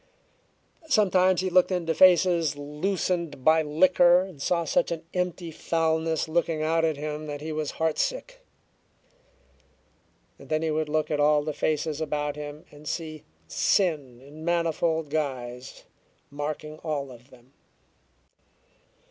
Sometimes he looked into faces loosened by liquor and saw such an empty foulness looking out at him that he was heartsick. Then he would look at all the faces about him and see sin in manifold guise marking all of them.